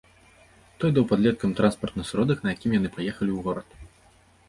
Той даў падлеткам транспартны сродак, на якім яны паехалі ў горад.